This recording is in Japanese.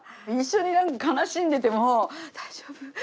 一緒に悲しんでても大丈夫？